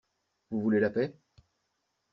Vous voulez la paix?